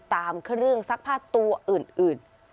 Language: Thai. ตามเครื่องซักผ้าตัวอื่น